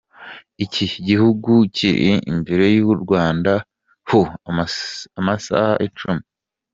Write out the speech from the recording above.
Iki gihugu kiri imbere y’u Rwanda ho amasaha icumi.